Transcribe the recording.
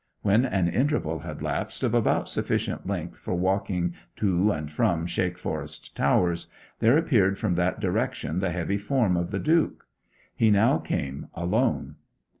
When an interval had elapsed of about sufficient length for walking to and from Shakeforest Towers, there appeared from that direction the heavy form of the Duke. He now came alone.